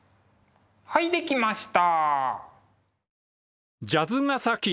はいできました！